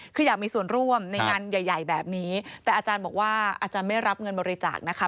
คืออยากมีส่วนร่วมในงานใหญ่แบบนี้แต่อาจารย์บอกว่าอาจารย์ไม่รับเงินบริจาคนะคะ